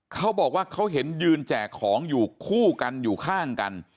เขาบอกว่าเขาเห็นยืนแจกของอยู่คู่กันอยู่ข้างกัน